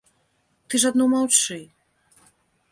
Ты ж адно маўчы.